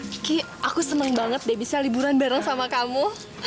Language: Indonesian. kiki aku seneng banget deh bisa liburan bareng sama kamu